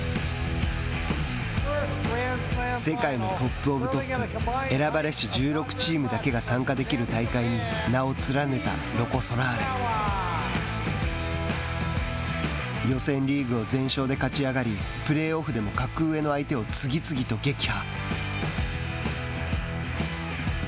世界のトップ・オブ・トップ選ばれし１６チームだけが参加できる大会に名を連ねたロコ・ソラーレ。予選リーグを全勝で勝ち上がりプレーオフでも格上の相手を次々と撃破。